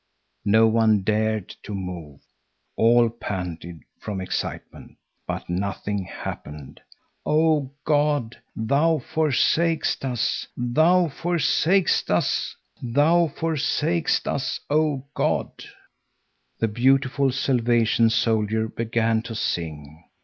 No one dared to move. All panted from excitement, but nothing happened. "O God, Thou forsakest us! Thou forsakest us, O God!" The beautiful salvation soldier began to sing.